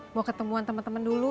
mau ketemuan temen temen dulu